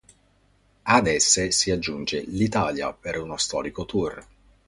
Ad esse si aggiunge l'Italia per uno storico tour.